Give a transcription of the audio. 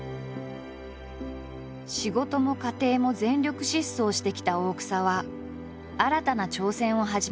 仕事も家庭も全力疾走してきた大草は新たな挑戦を始めている。